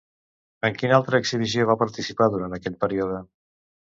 En quina altra exhibició va participar durant aquell període?